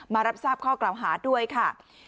รับทราบข้อกล่าวหาด้วยค่ะ